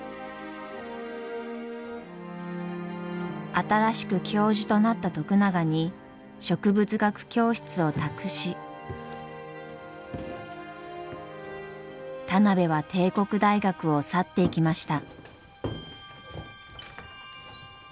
新しく教授となった徳永に植物学教室を託し田邊は帝国大学を去っていきました。